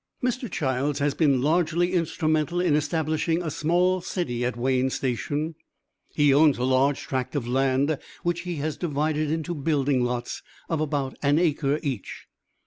Mr. Childs has been largely instrumental in establishing a small city at Wayne Station. He owns a large tract of land which he has divided into building lots of about an acre each.